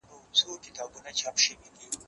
هره ورځ سبزیجات خورم